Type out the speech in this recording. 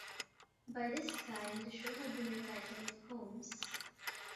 By this time, the show had been retitled "Holmes".